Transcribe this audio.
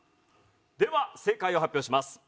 では正解を発表します。